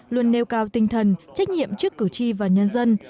luôn nêu cao tinh thần trách nhiệm trước cử tri và nhân dân